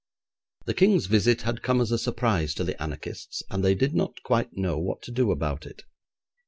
The King's visit had come as a surprise to the anarchists, and they did not quite know what to do about it.